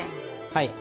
はい。